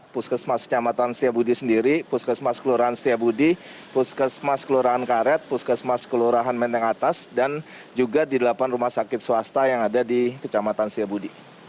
puskesmas kecamatan setiabudi sendiri puskesmas kelurahan setiabudi puskesmas kelurahan karet puskesmas kelurahan menteng atas dan juga di delapan rumah sakit swasta yang ada di kecamatan setiabudi